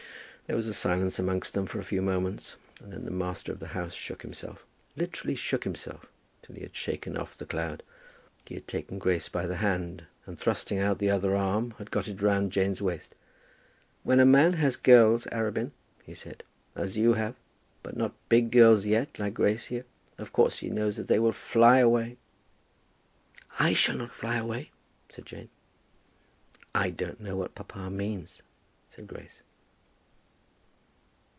There was silence amongst them for a few moments, and then the master of the house shook himself, literally shook himself, till he had shaken off the cloud. He had taken Grace by the hand, and thrusting out the other arm had got it round Jane's waist. "When a man has girls, Arabin," he said, "as you have, but not big girls yet like Grace here, of course he knows that they will fly away." "I shall not fly away," said Jane. "I don't know what papa means," said Grace.